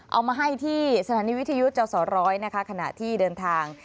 เอามาให้ที่สถานีวิทยุสรขณะที่เดินทาง